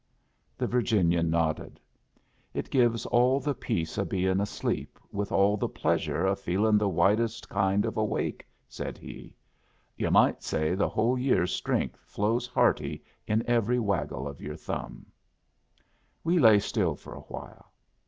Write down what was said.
The Virginian nodded. "It gives all the peace o' being asleep with all the pleasure o' feeling the widest kind of awake," said he. "Yu' might say the whole year's strength flows hearty in every waggle of your thumb." We lay still for a while.